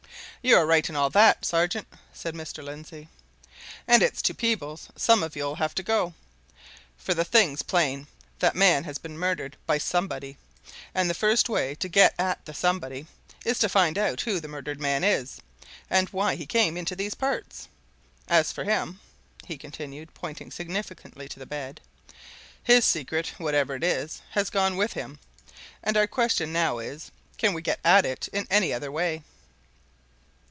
"You're right in all that, sergeant," said Mr. Lindsey, "and it's to Peebles some of you'll have to go. For the thing's plain that man has been murdered by somebody, and the first way to get at the somebody is to find out who the murdered man is, and why he came into these parts. As for him," he continued, pointing significantly to the bed, "his secret whatever it is has gone with him. And our question now is, Can we get at it in any other way?"